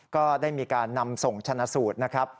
ก็ได้มีการนำส่งชนะสูตรนะครับ